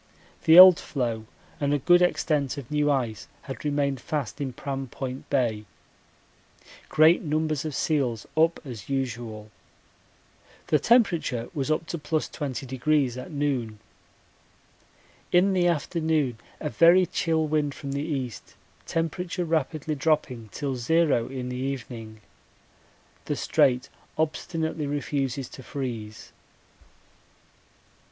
The old floe and a good extent of new ice had remained fast in Pram Point Bay. Great numbers of seals up as usual. The temperature was up to +20° at noon. In the afternoon a very chill wind from the east, temperature rapidly dropping till zero in the evening. The Strait obstinately refuses to freeze.